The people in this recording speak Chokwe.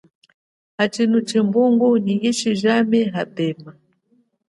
Atshino tshimbungu tsha yishi jami apema.